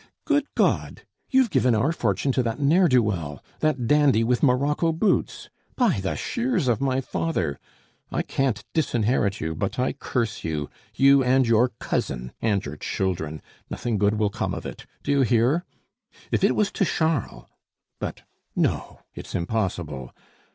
Good God! you've given our fortune to that ne'er do well, that dandy with morocco boots! By the shears of my father! I can't disinherit you, but I curse you, you and your cousin and your children! Nothing good will come of it! Do you hear? If it was to Charles but, no; it's impossible.